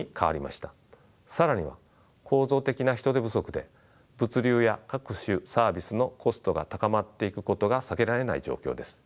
更には構造的な人手不足で物流や各種サービスのコストが高まっていくことが避けられない状況です。